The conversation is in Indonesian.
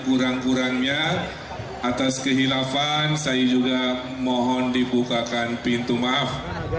kurang kurangnya atas kehilafan saya juga mohon dibukakan pintu maaf